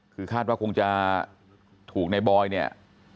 คือคาดว่าคงจะถูกในบอยเนี่ย